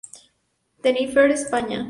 Tenerife, España.